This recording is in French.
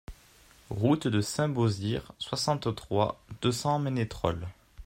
Route de Saint-Beauzire, soixante-trois, deux cents Ménétrol